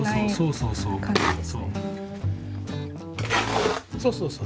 そうそうそうそう。